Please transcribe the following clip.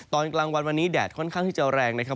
ตอนกลางวันวันนี้แดดค่อนข้างที่จะแรงนะครับ